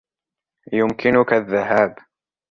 يمكنك الذهاب.